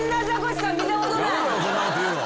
そんなこと言うの。